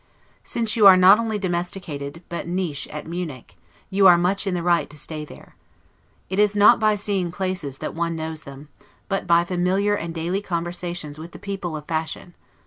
Since you are not only domesticated, but 'niche' at Munich, you are much in the right to stay there. It is not by seeing places that one knows them, but by familiar and daily conversations with the people of fashion.